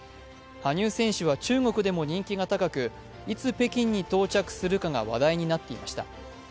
羽生選手は中国でも人気が高く、いつ北京に到着するかが話題になっていました。